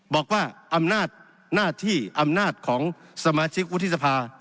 บอกว่าอำนาจหน้าที่อำนาจของสมาชิกวุฒิสภา